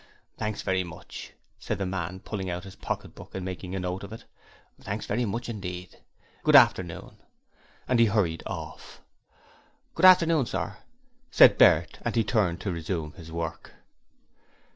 'Thanks very much,' said the man, pulling out his pocket book and making a note of it. 'Thanks very much indeed. Good afternoon,' and he hurried off. 'Good afternoon, sir,' said Bert and he turned to resume his work.